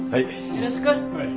よろしく。